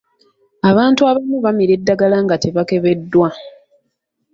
Abantu abamu bamira eddagala nga tebakebeddwa.